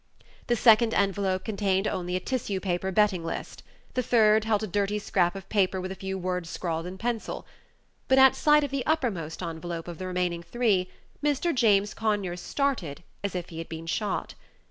The second envelope contained only a tissue paper betting list; the third held a dirty scrap of paper with a few words scrawled in pencil; but at sight of the uppermost envelope of the remaining three Mr. James Conyers started as if he had been shot.